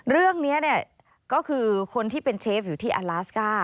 เรื่องนี้เนี่ยก็คือคนที่เป็นเชฟอยู่ที่อลาสก้า